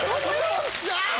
よっしゃ！